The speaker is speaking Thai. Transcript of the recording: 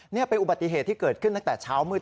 นี่เป็นอุบัติเหตุที่เกิดขึ้นตั้งแต่เช้ามืด